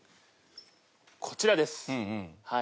こちらです。